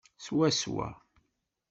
Swaswa.